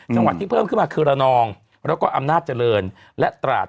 จังหวัดที่เพิ่มขึ้นมาคือระนองแล้วก็อำนาจเจริญและตราด